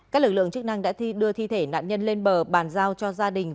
các lực lượng chức năng đã đưa thi thể nạn nhân lên bờ bàn giao cho gia đình